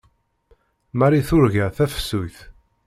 Marie turga tafsut.